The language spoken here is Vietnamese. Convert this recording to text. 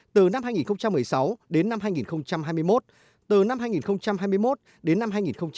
từ năm hai nghìn một mươi sáu đến năm hai nghìn hai mươi một từ năm hai nghìn hai mươi một đến năm hai nghìn hai mươi